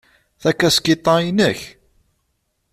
Takaskiṭ-a inek?